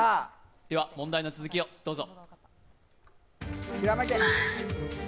では、問題の続きをどうぞ。